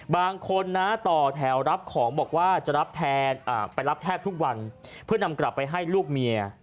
บางคนนะต่อแถวรับของบอกว่าจะรับแทนไปรับแทบทุกวันเพื่อนำกลับไปให้ลูกเมีย